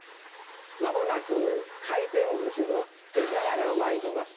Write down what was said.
まもなく回転寿司の絵皿が参ります。